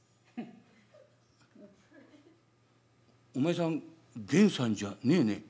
「お前さん源さんじゃねえね」。